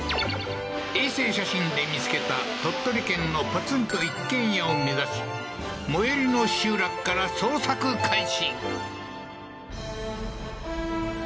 衛星写真で見つけた鳥取県のポツンと一軒家を目指し最寄りの集落から捜索開始